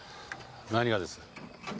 何がです？